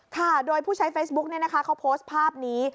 ค่ะโดยผู้ใช้เฟซบุ๊กเนี่ยนะคะเขาโพสต์ภาพนี้